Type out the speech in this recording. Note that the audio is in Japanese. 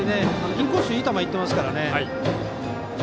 インコースいい球いってますから。